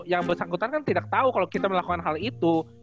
yang bersangkutan kan tidak tahu kalau kita melakukan hal itu